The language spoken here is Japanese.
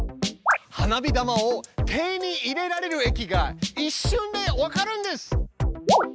花火玉を手に入れられる駅が一瞬で分かるんです！